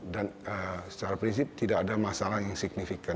dan secara prinsip tidak ada masalah yang signifikan